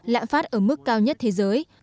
lãng phát ở mức cao nhất thế giới